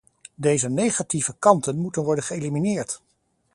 Deze negatieve kanten moeten worden geëlimineerd.